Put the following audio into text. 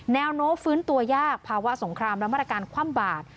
แนวโน้ฟื้นตัวยากภาวะสงครามและมาตรการคว่ำบาด